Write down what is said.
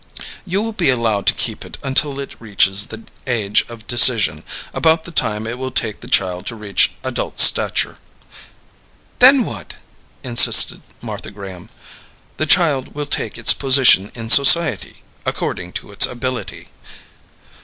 "You will be allowed to keep it until it reaches the age of decision about the time it will take the child to reach adult stature." "Then what?" insisted Martha Graham. "The child will take its position in society according to its ability."